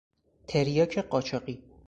تریاک قاچاقی